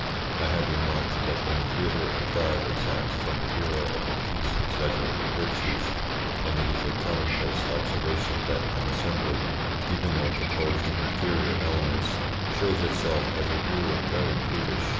I have remarked that in the theatre a crowd exacts from the hero of the piece exaggerated virtues, and it is a commonplace observation that an assembly, even though composed of inferior elements, shows itself as a rule very prudish.